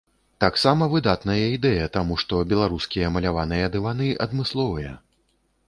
Таксама выдатная ідэя, таму што беларускія маляваныя дываны адмысловыя.